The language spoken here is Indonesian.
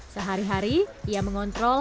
sehari hari ia mengontrol